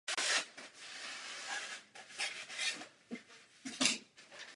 Město bylo vyznačené i na mapách ze stejné doby.